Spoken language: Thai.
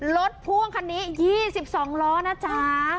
รถพ่วงคันนี้๒๒ล้อนะจ๊ะ